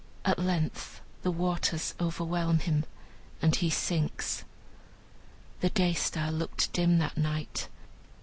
At length the waters overwhelm him, and he sinks. The Day star looked dim that night.